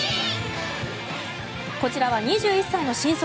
こちらは２１歳の神速